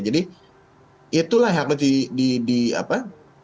itulah yang harus di apa